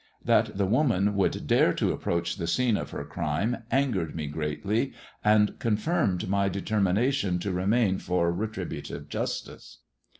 That the woman should dare to approach the scene of her crime angered me greatly, and confirmed my determination to remain for retributive justice.